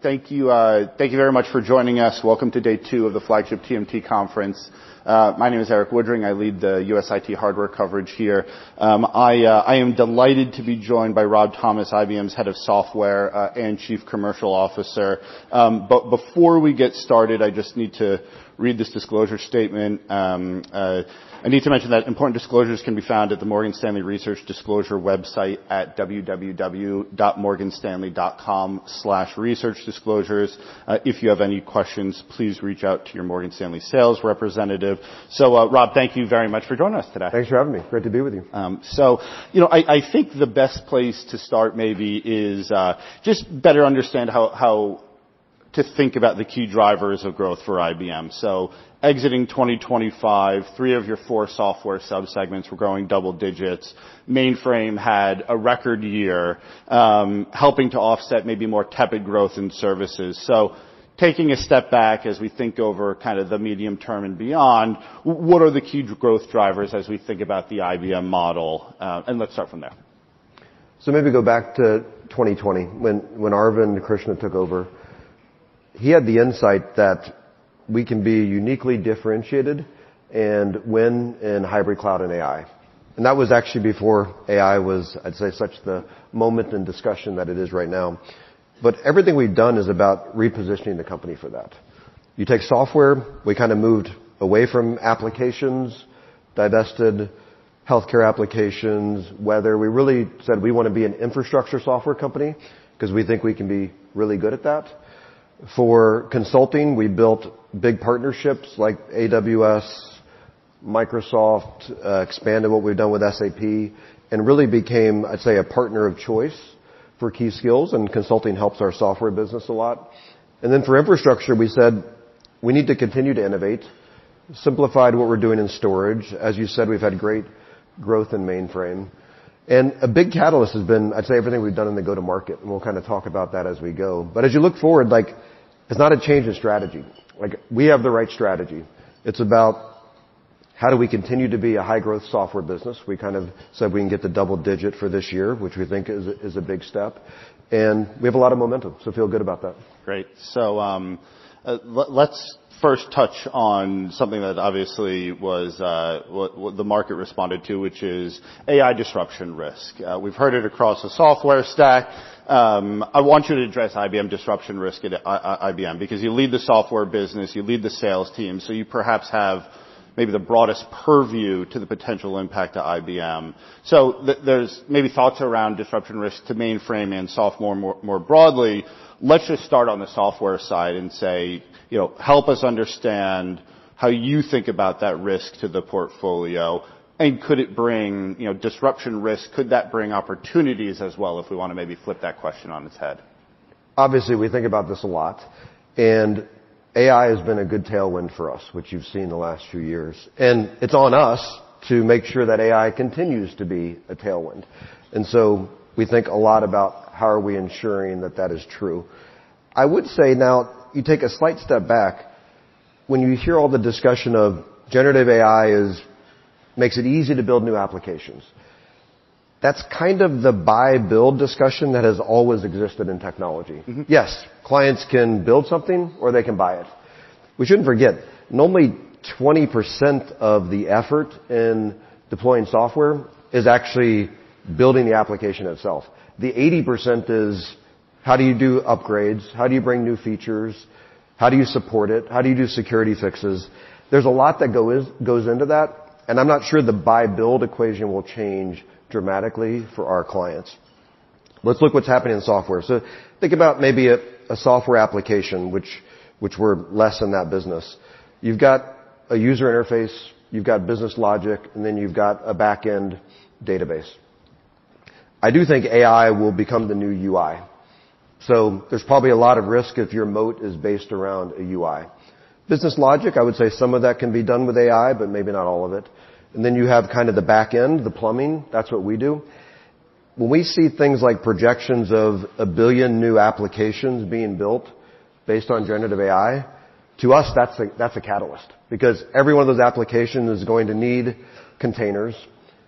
Thank you very much for joining us. Welcome to day 2 of the flagship TMT conference. My name is Erik Woodring. I lead the U.S. IT hardware coverage here. I am delighted to be joined by Rob Thomas, IBM's Head of Software and Chief Commercial Officer. Before we get started, I just need to read this disclosure statement. I need to mention that important disclosures can be found at the Morgan Stanley Research Disclosure website at www.morganstanley.com/researchdisclosures. If you have any questions, please reach out to your Morgan Stanley sales representative. Rob, thank you very much for joining us today. Thanks for having me. Great to be with you. I think the best place to start maybe is, just better understand how to think about the key drivers of growth for IBM. Exiting 2025, three of your four software sub-segments were growing double digits. Mainframe had a record year, helping to offset maybe more tepid growth in services. Taking a step back as we think over kind of the medium term and beyond, what are the key growth drivers as we think about the IBM model? Let's start from there. Maybe go back to 2020, when Arvind Krishna took over. He had the insight that we can be uniquely differentiated and win in hybrid cloud and AI. That was actually before AI was, I'd say, such the moment in discussion that it is right now. Everything we've done is about repositioning the company for that. You take software, we kind of moved away from applications, divested healthcare applications. Whether we really said we want to be an infrastructure software company because we think we can be really good at that. For consulting, we built big partnerships like AWS, Microsoft, expanded what we've done with SAP, and really became, I'd say, a partner of choice for key skills, and consulting helps our software business a lot. Then for infrastructure, we said we need to continue to innovate, simplified what we're doing in storage. As you said, we've had great growth in mainframe. A big catalyst has been, I'd say, everything we've done in the go-to market, and we'll kind of talk about that as we go. As you look forward, it's not a change in strategy. We have the right strategy. It's about how do we continue to be a high-growth software business. We kind of said we can get to double digit for this year, which we think is a big step. We have a lot of momentum, feel good about that. Great. Let's first touch on something that obviously was what the market responded to, which is AI disruption risk. We've heard it across the software stack. I want you to address IBM disruption risk at IBM, because you lead the software business, you lead the sales team, so you perhaps have maybe the broadest purview to the potential impact to IBM. There's maybe thoughts around disruption risk to mainframe and software more broadly. Let's just start on the software side and say help us understand how you think about that risk to the portfolio, and could it bring disruption risk? Could that bring opportunities as well, if we want to maybe flip that question on its head? Obviously, we think about this a lot, AI has been a good tailwind for us, which you've seen the last few years. It's on us to make sure that AI continues to be a tailwind. We think a lot about how are we ensuring that that is true. I would say now you take a slight step back when you hear all the discussion of generative AI makes it easy to build new applications. That's kind of the buy build discussion that has always existed in technology. Yes, clients can build something or they can buy it. We shouldn't forget, normally 20% of the effort in deploying software is actually building the application itself. The 80% is how do you do upgrades? How do you bring new features? How do you support it? How do you do security fixes? There's a lot that goes into that, and I'm not sure the buy build equation will change dramatically for our clients. Let's look what's happening in software. Think about maybe a software application, which we're less in that business. You've got a user interface, you've got business logic, and then you've got a back-end database. I do think AI will become the new UI. There's probably a lot of risk if your moat is based around a UI. Business logic, I would say some of that can be done with AI, but maybe not all of it. You have kind of the back end, the plumbing. That's what we do. When we see things like projections of 1 billion new applications being built based on generative AI, to us, that's a catalyst because every one of those applications is going to need containers.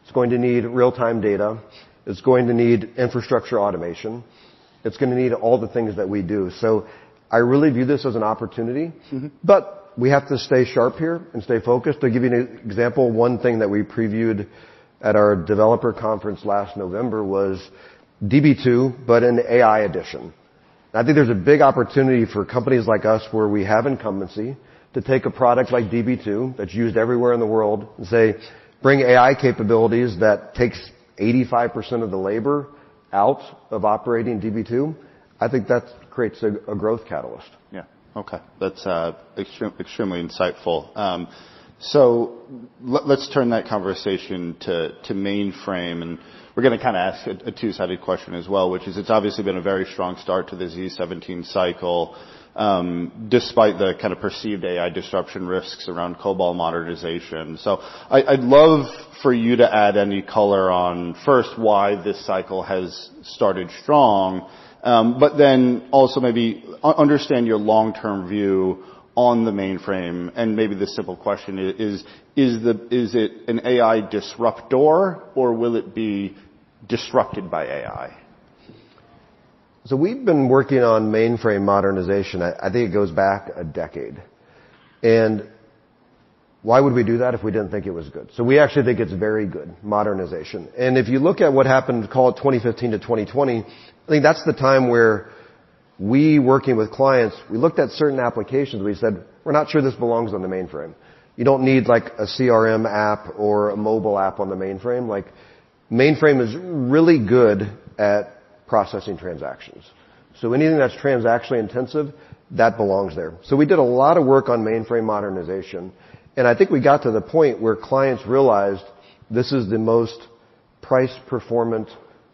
It's going to need real-time data. It's going to need infrastructure automation. It's going to need all the things that we do. I really view this as an opportunity. We have to stay sharp here and stay focused. To give you an example, one thing that we previewed at our developer conference last November was Db2, an AI edition. I think there's a big opportunity for companies like us where we have incumbency to take a product like Db2 that's used everywhere in the world and say, "Bring AI capabilities that takes 85% of the labor out of operating Db2." I think that creates a growth catalyst. Yeah. Okay. That's extremely insightful. Let's turn that conversation to mainframe, and we're going to kind of ask a two-sided question as well, which is it's obviously been a very strong start to the z17 cycle, despite the kind of perceived AI disruption risks around COBOL modernization. I'd love for you to add any color on first why this cycle has started strong, but then also maybe understand your long-term view on the mainframe, and maybe the simple question is it an AI disruptor, or will it be disrupted by AI. We've been working on mainframe modernization, I think it goes back 1 decade. Why would we do that if we didn't think it was good? We actually think it's very good, modernization. If you look at what happened, call it 2015 to 2020, I think that's the time where we, working with clients, we looked at certain applications. We said, "We're not sure this belongs on the mainframe." You don't need a CRM app or a mobile app on the mainframe. Mainframe is really good at processing transactions. Anything that's transactionally intensive, that belongs there. We did a lot of work on mainframe modernization, and I think we got to the point where clients realized this is the most price performant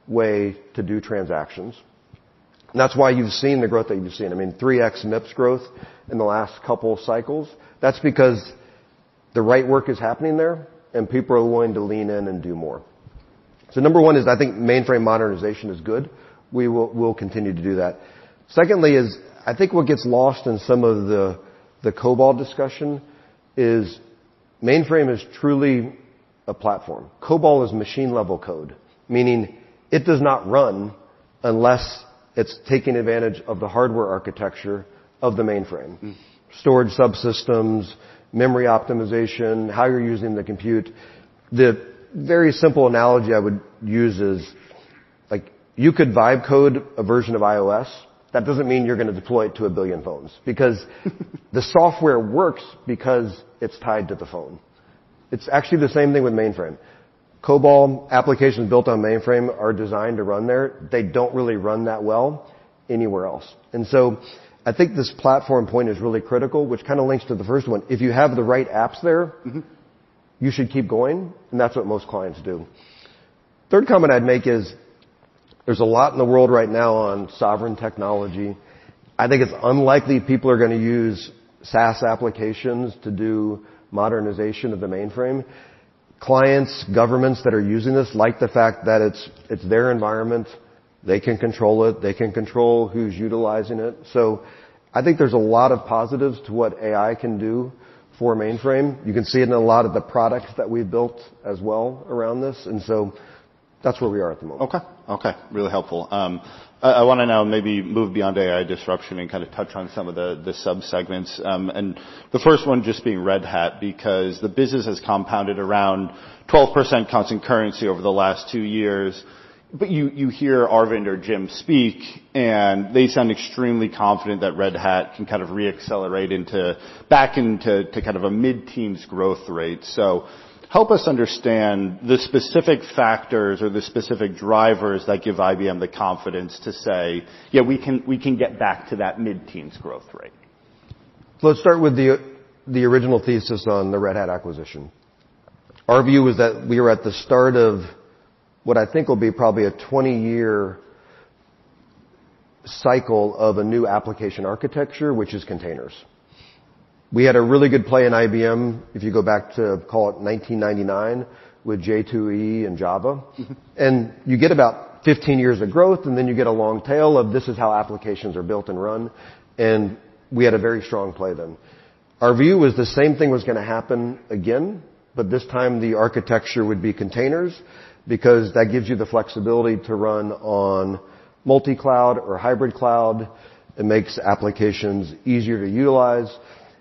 way to do transactions. That's why you've seen the growth that you've seen. I mean, 3x MIPS growth in the last couple of cycles. That's because the right work is happening there, and people are willing to lean in and do more. Number 1 is, I think mainframe modernization is good. We will continue to do that. I think what gets lost in some of the COBOL discussion is mainframe is truly a platform. COBOL is machine-level code, meaning it does not run unless it's taking advantage of the hardware architecture of the mainframe. Storage subsystems, memory optimization, how you're using the compute. The very simple analogy I would use is, you could vibe coding a version of iOS. That doesn't mean you're going to deploy it to 1 billion phones. The software works because it's tied to the phone. It's actually the same thing with mainframe. COBOL applications built on mainframe are designed to run there. They don't really run that well anywhere else. I think this platform point is really critical, which kind of links to the first one. If you have the right apps there- You should keep going, and that's what most clients do. Third comment I'd make is, there's a lot in the world right now on sovereign technology. I think it's unlikely people are going to use SaaS applications to do modernization of the mainframe. Clients, governments that are using this like the fact that it's their environment, they can control it, they can control who's utilizing it. I think there's a lot of positives to what AI can do for mainframe. You can see it in a lot of the products that we've built as well around this. That's where we are at the moment. Okay. Really helpful. I want to now maybe move beyond AI disruption and kind of touch on some of the subsegments. The first one just being Red Hat, because the business has compounded around 12% constant currency over the last 2 years. You hear Arvind or Jim speak, and they sound extremely confident that Red Hat can kind of re-accelerate back into kind of a mid-teens growth rate. Help us understand the specific factors or the specific drivers that give IBM the confidence to say, "Yeah, we can get back to that mid-teens growth rate. Let's start with the original thesis on the Red Hat acquisition. Our view is that we are at the start of what I think will be probably a 20-year cycle of a new application architecture, which is containers. We had a really good play in IBM, if you go back to call it 1999, with J2EE and Java. You get about 15 years of growth, then you get a long tail of, this is how applications are built and run, and we had a very strong play then. Our view was the same thing was going to happen again, this time the architecture would be containers, because that gives you the flexibility to run on multi-cloud or hybrid cloud. It makes applications easier to utilize.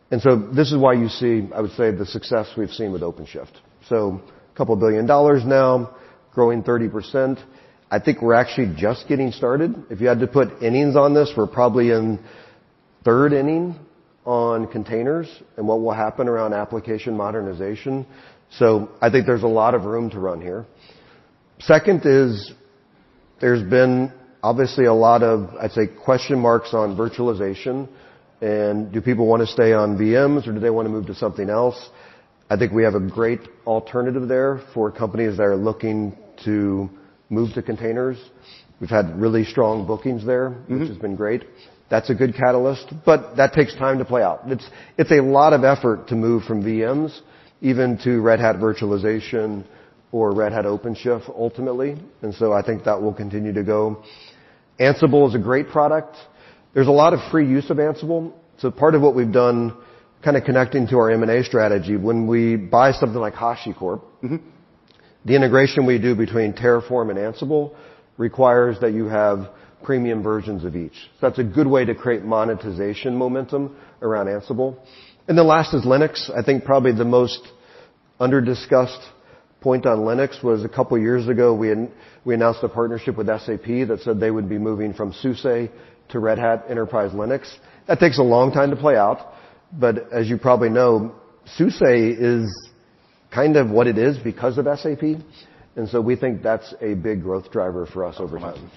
This is why you see, I would say, the success we've seen with OpenShift. A couple billion dollars now, growing 30%. I think we're actually just getting started. If you had to put innings on this, we're probably in third inning on containers and what will happen around application modernization. I think there's a lot of room to run here. Second is there's been obviously a lot of, I'd say, question marks on virtualization, do people want to stay on VMs or do they want to move to something else? I think we have a great alternative there for companies that are looking to move to containers. We've had really strong bookings there- which has been great. That's a good catalyst, that takes time to play out. It's a lot of effort to move from VMs even to Red Hat Virtualization or Red Hat OpenShift ultimately, I think that will continue to go. Ansible is a great product. There's a lot of free use of Ansible. Part of what we've done, kind of connecting to our M&A strategy, when we buy something like HashiCorp- The integration we do between Terraform and Ansible requires that you have premium versions of each. That's a good way to create monetization momentum around Ansible. The last is Linux. I think probably the most under-discussed point on Linux was a couple of years ago, we announced a partnership with SAP that said they would be moving from SUSE to Red Hat Enterprise Linux. That takes a long time to play out, but as you probably know, SUSE is kind of what it is because of SAP, we think that's a big growth driver for us over time.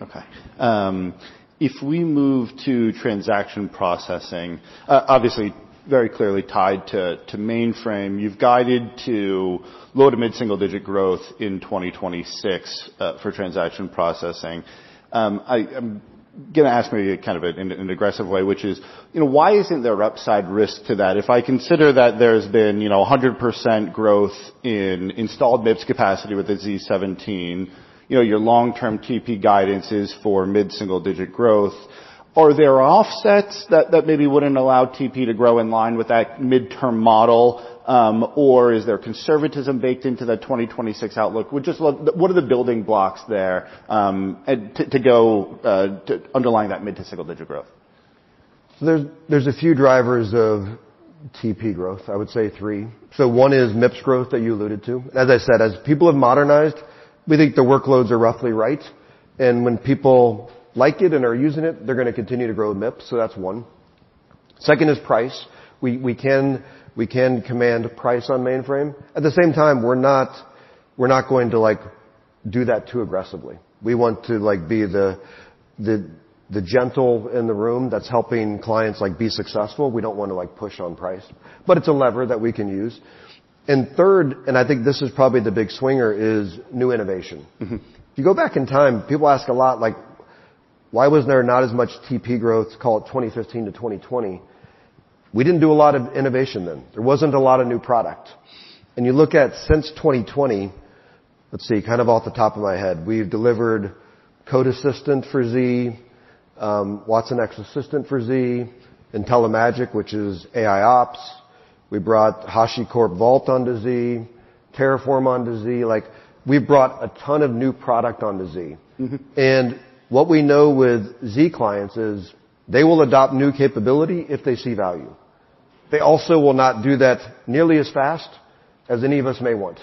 Okay. If we move to transaction processing, obviously very clearly tied to mainframe. You've guided to low- to mid-single-digit growth in 2026, for transaction processing. I'm going to ask maybe kind of in an aggressive way, which is, why isn't there upside risk to that? If I consider that there's been 100% growth in installed MIPS capacity with the z17, your long-term TP guidance is for mid-single-digit growth. Are there offsets that maybe wouldn't allow TP to grow in line with that midterm model? Is there conservatism baked into the 2026 outlook? What are the building blocks there to underline that mid-to-single-digit growth? There's a few drivers of TP growth, I would say three. One is MIPS growth that you alluded to. As I said, as people have modernized, we think the workloads are roughly right, and when people like it and are using it, they're going to continue to grow MIPS. That's one. Second is price. We can command price on mainframe. At the same time, we're not going to do that too aggressively. We want to be the gentle in the room that's helping clients be successful. We don't want to push on price. It's a lever that we can use. Third, I think this is probably the big swinger, is new innovation. If you go back in time, people ask a lot, like, "Why was there not as much TP growth call it 2015 to 2020?" We didn't do a lot of innovation then. There wasn't a lot of new product. You look at since 2020, let's see, kind of off the top of my head, we've delivered Code Assistant for Z, watsonx Assistant for Z, IntelliMagic, which is AIOps. We brought HashiCorp Vault onto Z, Terraform onto Z. We brought a ton of new product onto Z. What we know with Z clients is they will adopt new capability if they see value. They also will not do that nearly as fast as any of us may want.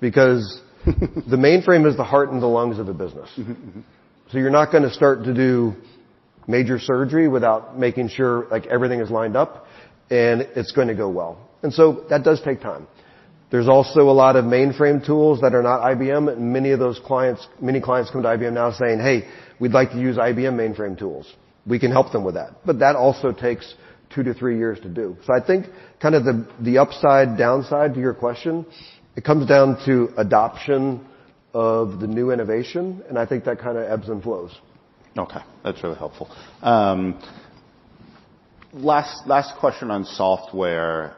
The mainframe is the heart and the lungs of the business. You're not going to start to do major surgery without making sure everything is lined up and it's going to go well. That does take time. There's also a lot of mainframe tools that are not IBM, and many of those clients come to IBM now saying, "Hey, we'd like to use IBM mainframe tools." We can help them with that. That also takes 2 to 3 years to do. I think kind of the upside downside to your question, it comes down to adoption of the new innovation, and I think that kind of ebbs and flows. Okay. That's really helpful. Last question on software,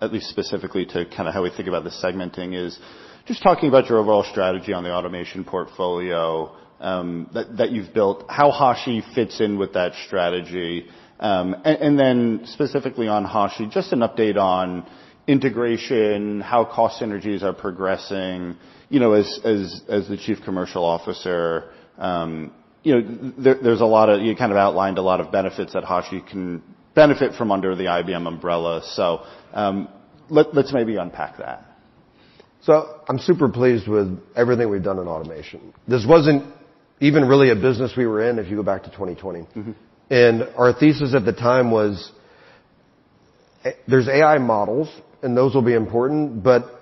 at least specifically to kind of how we think about the segmenting is just talking about your overall strategy on the automation portfolio that you've built, how Hashi fits in with that strategy. Specifically on Hashi, just an update on integration, how cost synergies are progressing. As the Chief Commercial Officer, you kind of outlined a lot of benefits that Hashi can benefit from under the IBM umbrella. Let's maybe unpack that. I'm super pleased with everything we've done in automation. This wasn't even really a business we were in, if you go back to 2020. Our thesis at the time was, there's AI models, and those will be important, but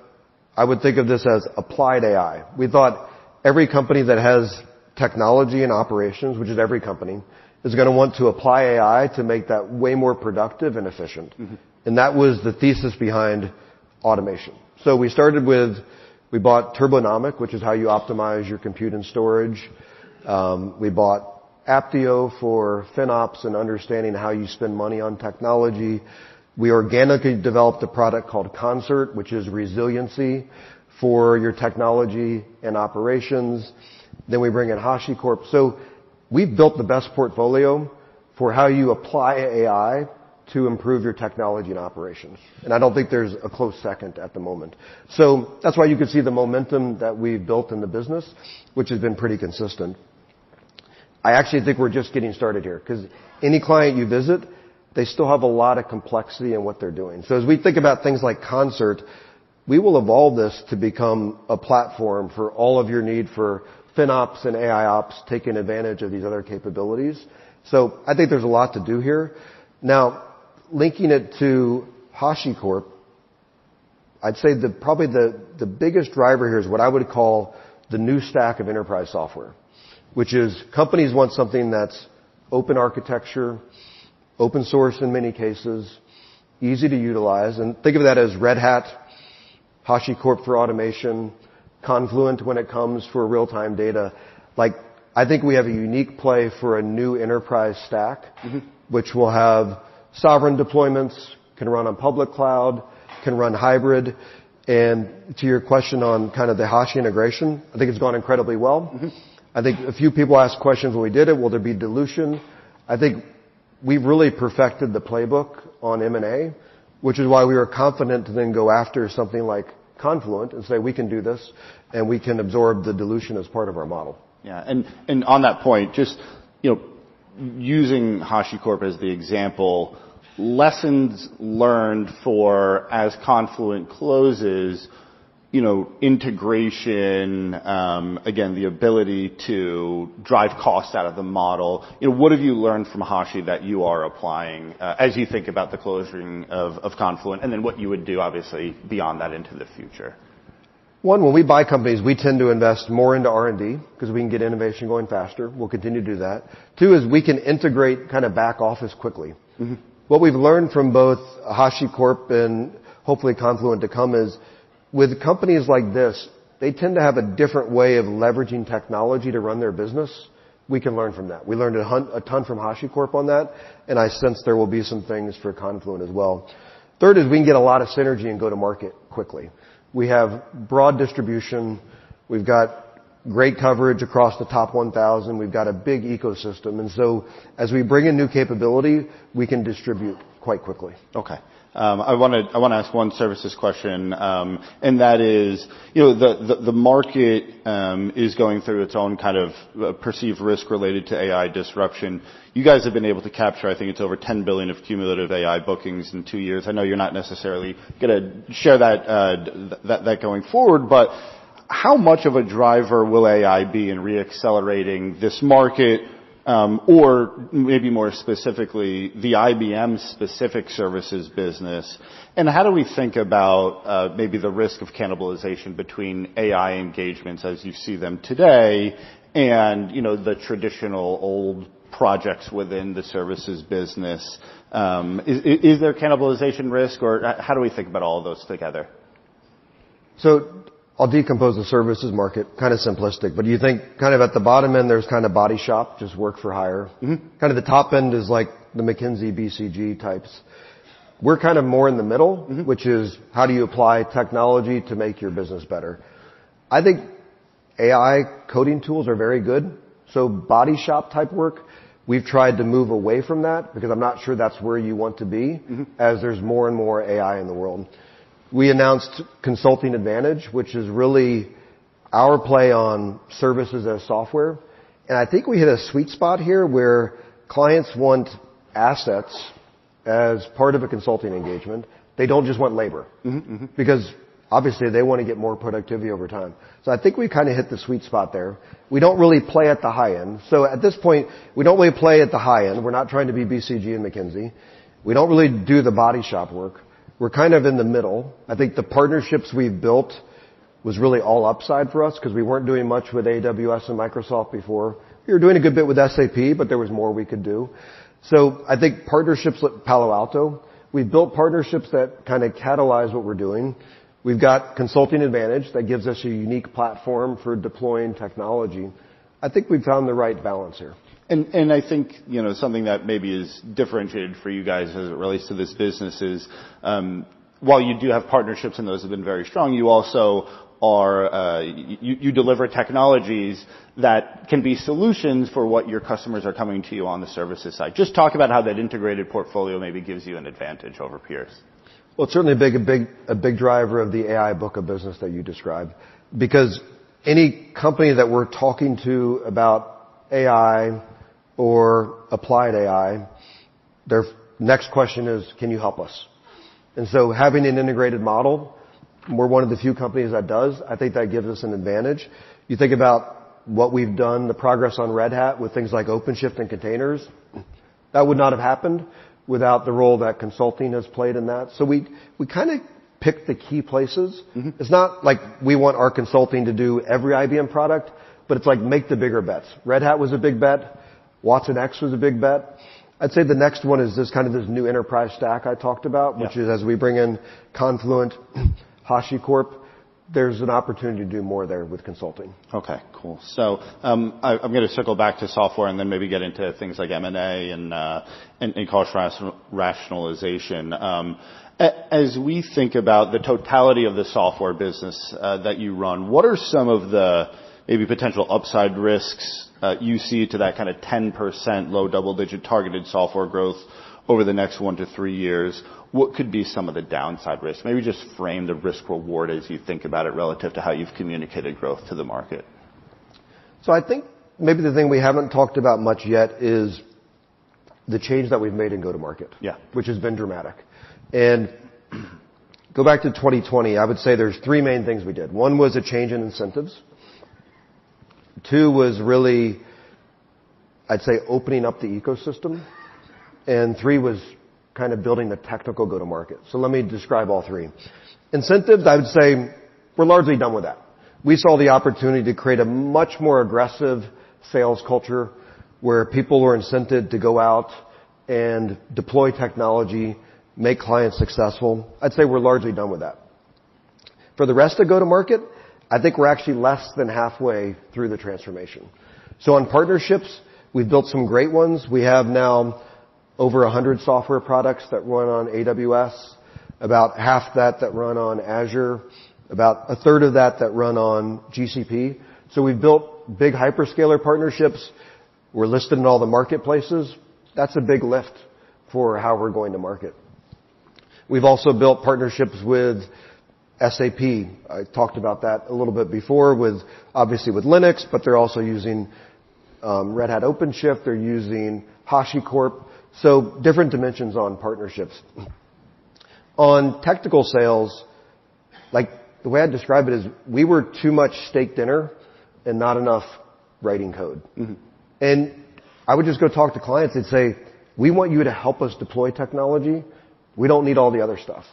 I would think of this as applied AI. We thought every company that has technology and operations, which is every company, is going to want to apply AI to make that way more productive and efficient. That was the thesis behind automation. We started with, we bought Turbonomic, which is how you optimize your compute and storage. We bought Apptio for FinOps and understanding how you spend money on technology. We organically developed a product called IBM Concert, which is resiliency for your technology and operations. We bring in HashiCorp. We've built the best portfolio for how you apply AI to improve your technology and operations. I don't think there's a close second at the moment. That's why you can see the momentum that we've built in the business, which has been pretty consistent. I actually think we're just getting started here, because any client you visit, they still have a lot of complexity in what they're doing. As we think about things like IBM Concert, we will evolve this to become a platform for all of your need for FinOps and AIOps, taking advantage of these other capabilities. I think there's a lot to do here. Now, linking it to HashiCorp, I'd say that probably the biggest driver here is what I would call the new stack of enterprise software, which is companies want something that's open architecture, open source in many cases, easy to utilize. Think of that as Red Hat, HashiCorp for automation, Confluent when it comes for real-time data. I think we have a unique play for a new enterprise stack. Which will have sovereign deployments, can run on public cloud, can run hybrid. To your question on kind of the Hashi integration, I think it's gone incredibly well. I think a few people asked questions when we did it. Will there be dilution? I think we've really perfected the playbook on M&A, which is why we were confident to then go after something like Confluent and say, "We can do this, and we can absorb the dilution as part of our model. Yeah. On that point, just using HashiCorp as the example, lessons learned for as Confluent closes, integration, again, the ability to drive costs out of the model. What have you learned from Hashi that you are applying as you think about the closing of Confluent, and then what you would do, obviously, beyond that into the future? One, when we buy companies, we tend to invest more into R&D because we can get innovation going faster. We'll continue to do that. Two is we can integrate back office quickly. What we've learned from both HashiCorp and hopefully Confluent to come is with companies like this, they tend to have a different way of leveraging technology to run their business. We can learn from that. We learned a ton from HashiCorp on that, and I sense there will be some things for Confluent as well. Third is we can get a lot of synergy and go to market quickly. We have broad distribution. Great coverage across the top 1,000. We've got a big ecosystem. As we bring in new capability, we can distribute quite quickly. Okay. I want to ask one services question. That is, the market is going through its own kind of perceived risk related to AI disruption. You guys have been able to capture, I think it's over $10 billion of cumulative AI bookings in two years. I know you're not necessarily going to share that going forward. How much of a driver will AI be in re-accelerating this market? Maybe more specifically, the IBM-specific services business. How do we think about maybe the risk of cannibalization between AI engagements as you see them today, and the traditional old projects within the services business? Is there cannibalization risk, or how do we think about all of those together? I'll decompose the services market. Kind of simplistic. You think kind of at the bottom end, there's kind of body shop, just work for hire. Kind of the top end is like the McKinsey, BCG types. which is how do you apply technology to make your business better? I think AI coding tools are very good. Body shop type work, we've tried to move away from that because I'm not sure that's where you want to be. as there's more and more AI in the world. We announced Consulting Advantage, which is really our play on services as software. I think we hit a sweet spot here where clients want assets as part of a consulting engagement. They don't just want labor. Obviously they want to get more productivity over time. I think we've kind of hit the sweet spot there. We don't really play at the high end. At this point, we don't really play at the high end. We're not trying to be BCG and McKinsey. We don't really do the body shop work. We're kind of in the middle. I think the partnerships we've built was really all upside for us because we weren't doing much with AWS and Microsoft before. We were doing a good bit with SAP, but there was more we could do. I think partnerships with Palo Alto, we've built partnerships that kind of catalyze what we're doing. We've got Consulting Advantage that gives us a unique platform for deploying technology. I think we've found the right balance here. I think something that maybe is differentiated for you guys as it relates to this business is, while you do have partnerships and those have been very strong, you deliver technologies that can be solutions for what your customers are coming to you on the services side. Just talk about how that integrated portfolio maybe gives you an advantage over peers. Well, it's certainly a big driver of the AI book of business that you described, because any company that we're talking to about AI or applied AI, their next question is, "Can you help us?" Having an integrated model, we're one of the few companies that does, I think that gives us an advantage. You think about what we've done, the progress on Red Hat with things like OpenShift and containers. That would not have happened without the role that consulting has played in that. We kind of pick the key places. It's not like we want our consulting to do every IBM product, but it's like make the bigger bets. Red Hat was a big bet. watsonx was a big bet. I'd say the next one is this new enterprise stack I talked about- Yeah which is as we bring in Confluent, HashiCorp, there's an opportunity to do more there with consulting. Okay, cool. I'm going to circle back to software and then maybe get into things like M&A and cost rationalization. As we think about the totality of the software business that you run, what are some of the maybe potential upside risks you see to that kind of 10% low double-digit targeted software growth over the next one to three years? What could be some of the downside risks? Maybe just frame the risk-reward as you think about it relative to how you've communicated growth to the market. I think maybe the thing we haven't talked about much yet is the change that we've made in go-to-market- Yeah which has been dramatic. Go back to 2020, I would say there's three main things we did. One was a change in incentives, two was really, I'd say, opening up the ecosystem, and three was kind of building the technical go-to-market. Let me describe all three. Incentives, I would say we're largely done with that. We saw the opportunity to create a much more aggressive sales culture where people were incented to go out and deploy technology, make clients successful. I'd say we're largely done with that. For the rest of go-to-market, I think we're actually less than halfway through the transformation. On partnerships, we've built some great ones. We have now over 100 software products that run on AWS, about half that that run on Azure, about a third of that that run on GCP. We've built big hyperscaler partnerships. We're listed in all the marketplaces. That's a big lift for how we're going to market. We've also built partnerships with SAP. I talked about that a little bit before with, obviously, with Linux, but they're also using Red Hat OpenShift. They're using HashiCorp. Different dimensions on partnerships. On technical sales, the way I'd describe it is we were too much steak dinner and not enough writing code. I would just go talk to clients. They'd say, "We want you to help us deploy technology. We don't need all the other stuff."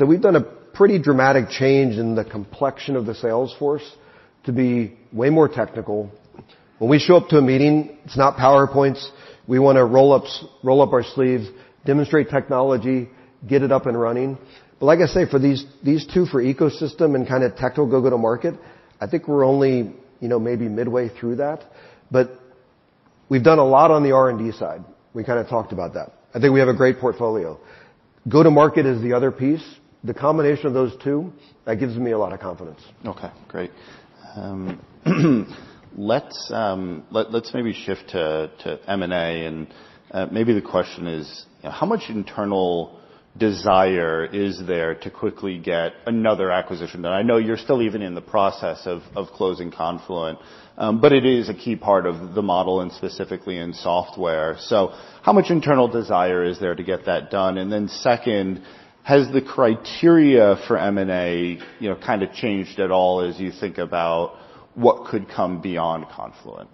We've done a pretty dramatic change in the complexion of the sales force to be way more technical. When we show up to a meeting, it's not PowerPoints. We want to roll up our sleeves, demonstrate technology, get it up and running. Like I say, for these two for ecosystem and kind of technical go-to market, I think we're only maybe midway through that. We've done a lot on the R&D side. We kind of talked about that. I think we have a great portfolio. Go-to-market is the other piece. The combination of those two, that gives me a lot of confidence. Okay, great. Let's maybe shift to M&A, and maybe the question is: How much internal desire is there to quickly get another acquisition? Now, I know you're still even in the process of closing Confluent, but it is a key part of the model and specifically in software. How much internal desire is there to get that done? Then second, has the criteria for M&A kind of changed at all as you think about what could come beyond Confluent?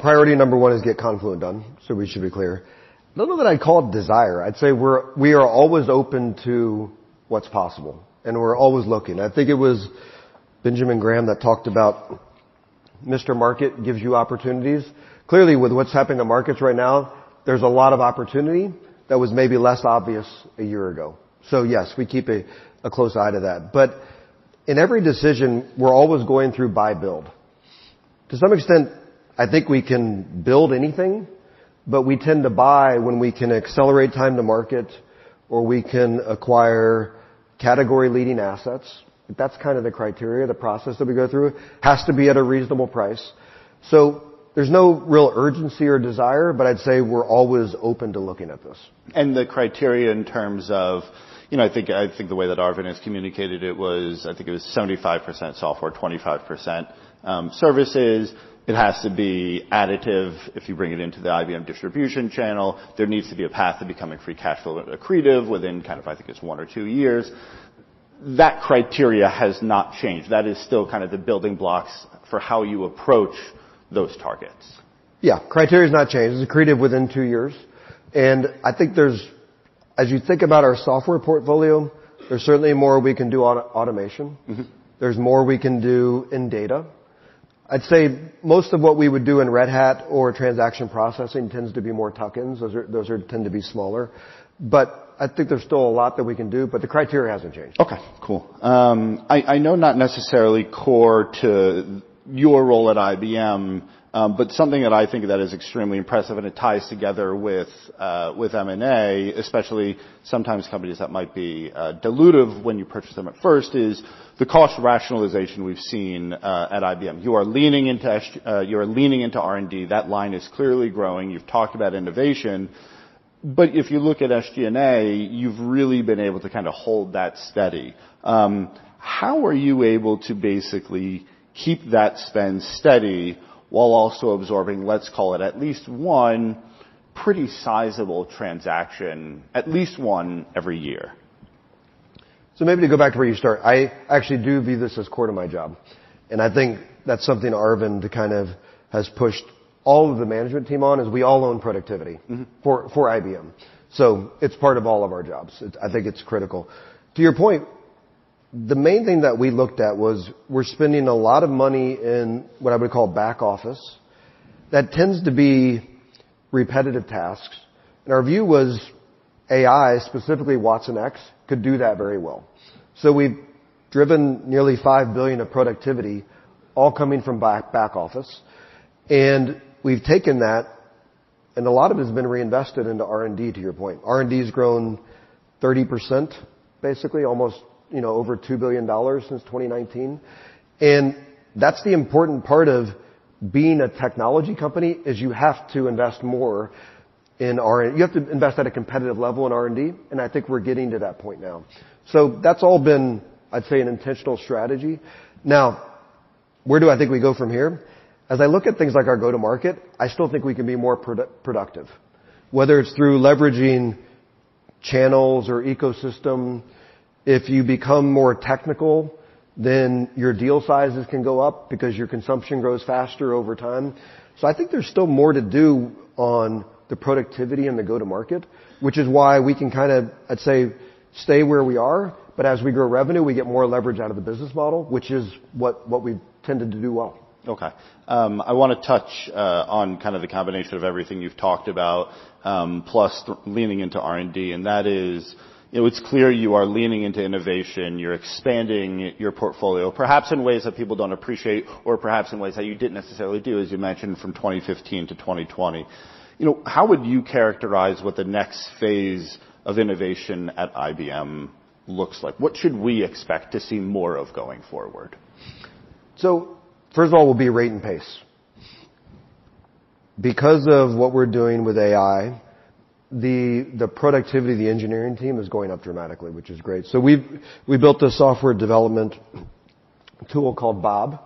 Priority number one is get Confluent done, we should be clear. None of that I'd call it desire. I'd say we are always open to what's possible, and we're always looking. I think it was Benjamin Graham that talked about Mr. Market gives you opportunities. Clearly, with what's happened to markets right now, there's a lot of opportunity that was maybe less obvious a year ago. Yes, we keep a close eye to that. In every decision, we're always going through buy-build. To some extent, I think we can build anything, but we tend to buy when we can accelerate time to market, or we can acquire category-leading assets. That's kind of the criteria, the process that we go through. Has to be at a reasonable price. There's no real urgency or desire, but I'd say we're always open to looking at this. The criteria in terms of, I think the way that Arvind has communicated it was, I think it was 75% software, 25% services. It has to be additive if you bring it into the IBM distribution channel. There needs to be a path to becoming free cash flow accretive within kind of, I think it's one or two years. That criteria has not changed. That is still kind of the building blocks for how you approach those targets. Criteria's not changed. It's accretive within two years. I think as you think about our software portfolio, there's certainly more we can do on automation. There's more we can do in data. I'd say most of what we would do in Red Hat or transaction processing tends to be more tuck-ins. Those tend to be smaller. I think there's still a lot that we can do, but the criteria hasn't changed. Okay, cool. I know not necessarily core to your role at IBM, but something that I think that is extremely impressive, and it ties together with M&A, especially sometimes companies that might be dilutive when you purchase them at first, is the cost rationalization we've seen at IBM. You are leaning into R&D. That line is clearly growing. You've talked about innovation. If you look at SG&A, you've really been able to kind of hold that steady. How are you able to basically keep that spend steady while also absorbing, let's call it, at least one pretty sizable transaction, at least one every year? Maybe to go back to where you start, I actually do view this as core to my job, and I think that's something Arvind kind of has pushed all of the management team on, is we all own productivity for IBM. It's part of all of our jobs. I think it's critical. To your point, the main thing that we looked at was we're spending a lot of money in what I would call back office that tends to be repetitive tasks, and our view was AI, specifically watsonx, could do that very well. We've driven nearly $5 billion of productivity, all coming from back office, and we've taken that, and a lot of it has been reinvested into R&D, to your point. R&D has grown 30%, basically almost over $2 billion since 2019. That's the important part of being a technology company, is you have to invest at a competitive level in R&D, and I think we're getting to that point now. That's all been, I'd say, an intentional strategy. Now, where do I think we go from here? As I look at things like our go-to-market, I still think we can be more productive, whether it's through leveraging channels or ecosystem. If you become more technical, then your deal sizes can go up because your consumption grows faster over time. I think there's still more to do on the productivity and the go-to-market, which is why we can kind of, I'd say, stay where we are, but as we grow revenue, we get more leverage out of the business model, which is what we've tended to do well. Okay. I want to touch on kind of the combination of everything you've talked about, plus leaning into R&D, that is, it's clear you are leaning into innovation. You're expanding your portfolio, perhaps in ways that people don't appreciate or perhaps in ways that you didn't necessarily do, as you mentioned, from 2015 to 2020. How would you characterize what the next phase of innovation at IBM looks like? What should we expect to see more of going forward? First of all, it will be rate and pace. Because of what we're doing with AI, the productivity of the engineering team is going up dramatically, which is great. We built a software development tool called Bob.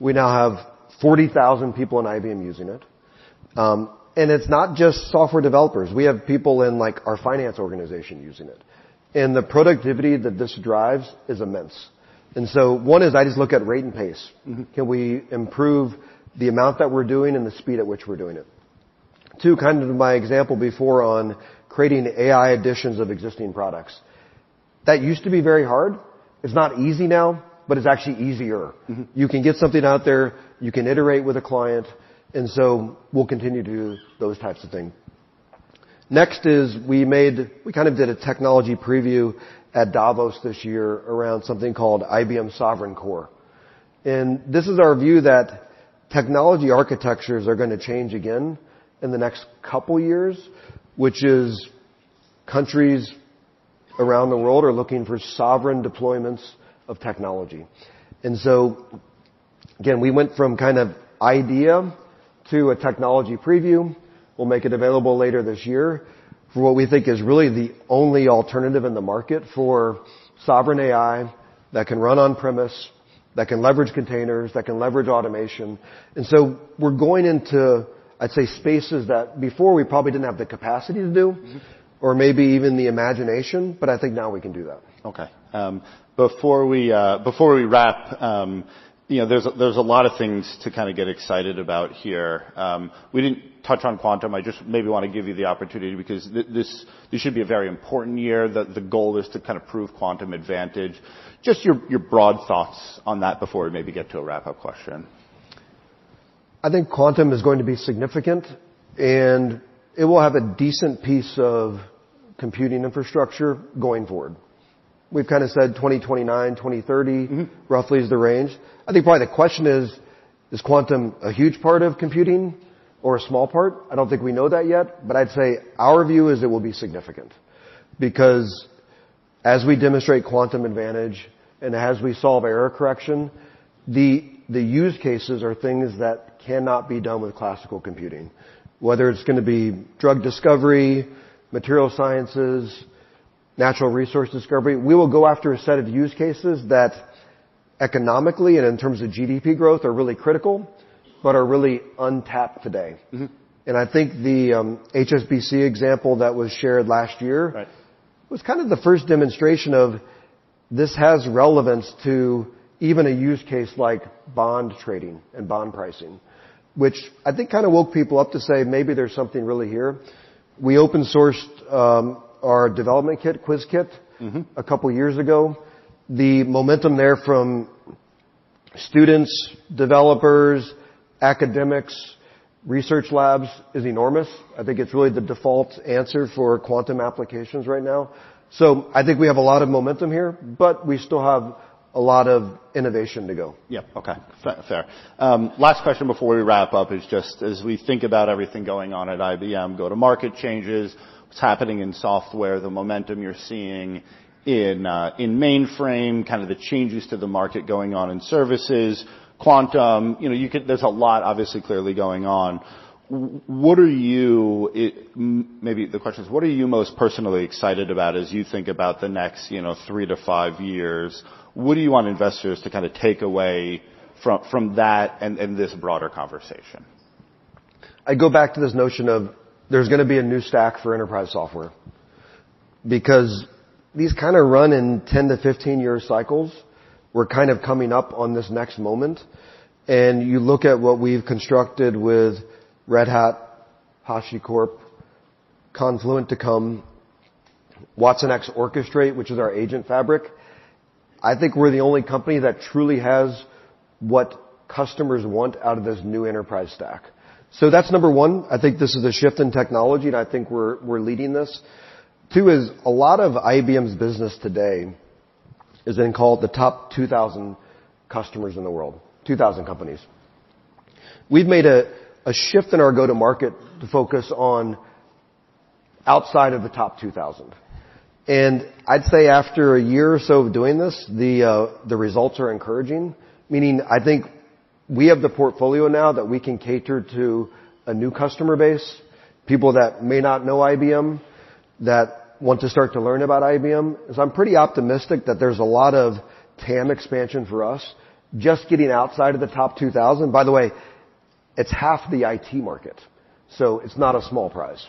We now have 40,000 people in IBM using it. It's not just software developers. We have people in our finance organization using it. The productivity that this drives is immense. One is I just look at rate and pace. Can we improve the amount that we're doing and the speed at which we're doing it? Two, kind of my example before on creating AI additions of existing products. That used to be very hard. It's not easy now, but it's actually easier. You can get something out there. You can iterate with a client, we'll continue to do those types of things. Next is we did a technology preview at Davos this year around something called IBM Sovereign Core. This is our view that technology architectures are going to change again in the next couple years, which is countries around the world are looking for sovereign deployments of technology. Again, we went from idea to a technology preview. We'll make it available later this year for what we think is really the only alternative in the market for sovereign AI that can run on-premise, that can leverage containers, that can leverage automation. We're going into, I'd say, spaces that before we probably didn't have the capacity to do or maybe even the imagination, but I think now we can do that. Okay. Before we wrap, there's a lot of things to get excited about here. We didn't touch on quantum. I just maybe want to give you the opportunity because this should be a very important year. The goal is to kind of prove quantum advantage. Just your broad thoughts on that before we maybe get to a wrap-up question. I think quantum is going to be significant, and it will have a decent piece of computing infrastructure going forward. We've kind of said 2029, 2030 roughly is the range. I think probably the question is quantum a huge part of computing or a small part? I don't think we know that yet, but I'd say our view is it will be significant. As we demonstrate quantum advantage and as we solve error correction, the use cases are things that cannot be done with classical computing, whether it's going to be drug discovery, material sciences, natural resource discovery. We will go after a set of use cases that economically and in terms of GDP growth are really critical but are really untapped today. I think the HSBC example that was shared last year. Right was kind of the first demonstration of this has relevance to even a use case like bond trading and bond pricing, which I think kind of woke people up to say, "Maybe there's something really here." We open-sourced our development kit, Qiskit. a couple of years ago. The momentum there from students, developers, academics, research labs is enormous. I think it's really the default answer for quantum applications right now. I think we have a lot of momentum here, but we still have a lot of innovation to go. Yep. Okay. Fair. Last question before we wrap up is just as we think about everything going on at IBM, go-to-market changes, what's happening in software, the momentum you're seeing in mainframe, kind of the changes to the market going on in services, quantum, there's a lot obviously clearly going on. Maybe the question is, what are you most personally excited about as you think about the next three to five years? What do you want investors to take away from that and this broader conversation? I go back to this notion of there's going to be a new stack for enterprise software because these kind of run in 10-15-year cycles. We're kind of coming up on this next moment, and you look at what we've constructed with Red Hat, HashiCorp, Confluent to come, watsonx Orchestrate, which is our agent fabric. I think we're the only company that truly has what customers want out of this new enterprise stack. That's number 1. I think this is a shift in technology, and I think we're leading this. Two is a lot of IBM's business today is in call the top 2,000 customers in the world, 2,000 companies. We've made a shift in our go-to-market to focus on outside of the top 2,000. I'd say after a year or so of doing this, the results are encouraging, meaning I think we have the portfolio now that we can cater to a new customer base, people that may not know IBM, that want to start to learn about IBM. I'm pretty optimistic that there's a lot of TAM expansion for us. Just getting outside of the top 2,000, by the way, it's half the IT market, so it's not a small prize.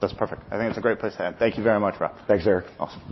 That's perfect. I think it's a great place to end. Thank you very much, Rob. Thanks, Erik. Awesome.